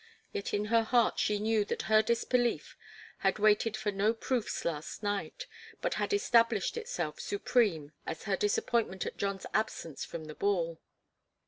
Yet in her heart she knew that her disbelief had waited for no proofs last night, but had established itself supreme as her disappointment at John's absence from the ball.